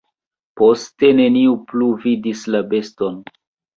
Poste neniu plu vidis la beston.